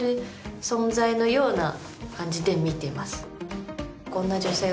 のような感じで見てます。